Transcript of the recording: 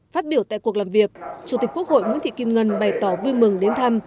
phát biểu tại cuộc làm việc chủ tịch quốc hội nguyễn thị kim ngân bày tỏ vui mừng đến thăm